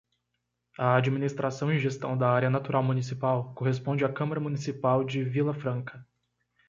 A administração e gestão da área natural municipal corresponde à Câmara Municipal de Vilafranca.